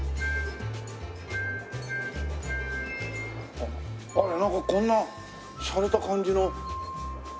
あらなんかこんなしゃれた感じの。